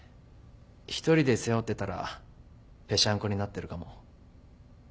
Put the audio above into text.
１人で背負ってたらぺしゃんこになってるかも。